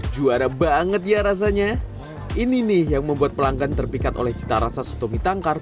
juara banget ya rasanya ini nih yang membuat pelanggan terpikat oleh cita rasa soto mie tangkar